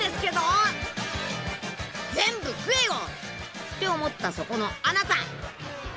「全部食えよ！」って思ったそこのあなた。